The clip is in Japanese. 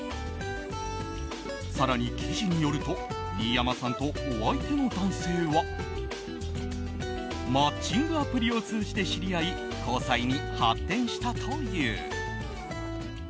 更に、記事によると新山さんとお相手の男性はマッチングアプリを通じて知り合い、交際に発展したという。